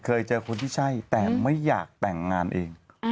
เคยเจอคนที่ใช่แต่ไม่อยากแต่งงานเอง